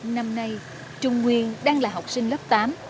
năm nay trung nguyên đang là học sinh lớp tám